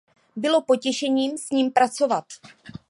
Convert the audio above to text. Bylo potěšením s ním pracovat.